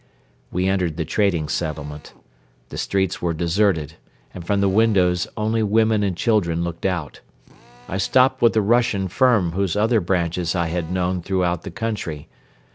We entered the trading settlement. The streets were deserted and from the windows only women and children looked out. I stopped with a Russian firm whose other branches I had known throughout the country.